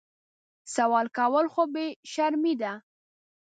سوال کول خو بې شرمي ده